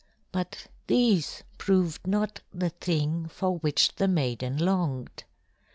But these proved not the thing for which the maiden longed.